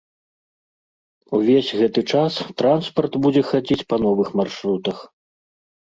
Увесь гэты час транспарт будзе хадзіць па новых маршрутах.